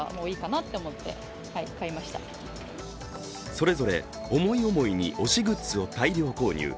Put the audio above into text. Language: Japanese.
それぞれ思い思いの推しグッズを大量購入。